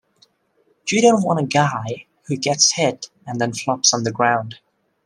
You don't want a guy who gets hit and then flops on the ground.